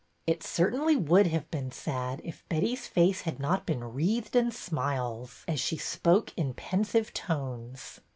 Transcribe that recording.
" It certainly would have been sad, if Betty's face had not been wreathed in smiles, as she spoke in pensive tones.